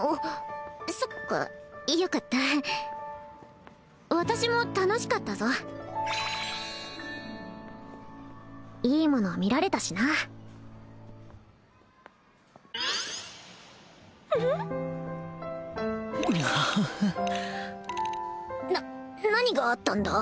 そっかよかった私も楽しかったぞいいもの見られたしなフフフッな何があったんだ？